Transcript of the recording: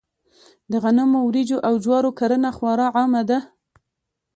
د غنمو، وريجو او جوارو کرنه خورا عامه ده.